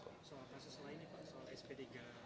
soal kasus lainnya pak